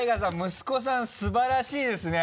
息子さん素晴らしいですね。